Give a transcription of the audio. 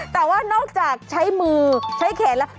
แต่ว่านอกจากใช้มือใช้แขนแล้ว